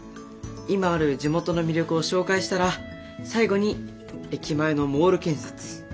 今ある地元の魅力を紹介したら最後に駅前のモール建設。